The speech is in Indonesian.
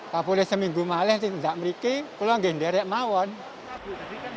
kalau boleh seminggu malam tidak mereka kalau tidak bisa dikonsumsi